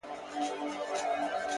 نه ; نه داسي نه ده;